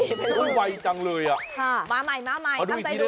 อ่าวเวยจังเลยมาใหม่ตั้งแต่ดู๑๒๓